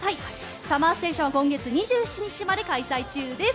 ＳＵＭＭＥＲＳＴＡＴＩＯＮは今月２７日まで開催中です。